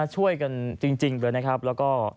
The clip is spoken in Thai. ช่วยกันจริงเลยนะครับแล้วก็